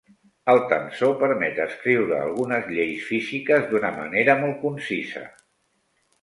El tensor permet escriure algunes lleis físiques d'una manera molt concisa.